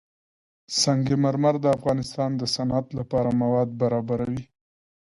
سنگ مرمر د افغانستان د صنعت لپاره مواد برابروي.